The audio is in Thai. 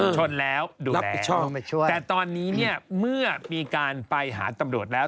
ชนแล้วดูรับผิดชอบแต่ตอนนี้เนี่ยเมื่อมีการไปหาตำรวจแล้ว